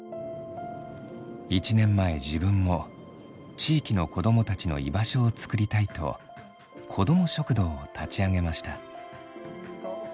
１年前自分も地域の子どもたちの居場所を作りたいと子ども食堂を立ち上げました。